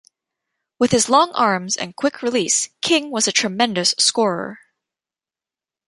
With his long arms and quick release, King was a tremendous scorer.